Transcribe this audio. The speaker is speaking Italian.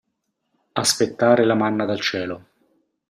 Aspettare la manna dal cielo.